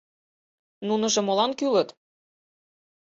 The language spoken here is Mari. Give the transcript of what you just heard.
— Нуныжо молан кӱлыт?